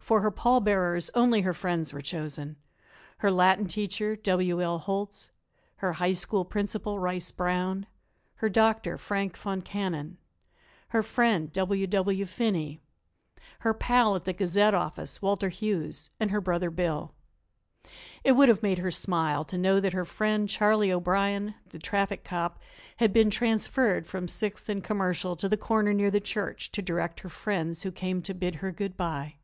For her pall bearers only her friends were chosen; her Latin teacher W. L. Holtz; her High School principal, Rice Brown; her doctor, Frank Foncannon; her friend, W. W. Finney; her pal at the Gazette office, Walter Hughes; and her brother Bill. It would have made her smile to know that her friend, Charley O'Brien, the traffic cop, had been transferred from Sixth and Commercial to the corner near the church to direct her friends who came to bid her good by.